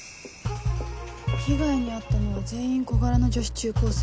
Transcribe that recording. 被害に遭ったのは全員小柄な女子中高生。